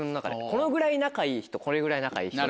このぐらい仲いい人このぐらい仲いい人。